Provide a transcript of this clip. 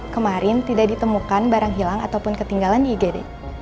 kemarin tidak ditemukan barang hilang ataupun ketinggalan igd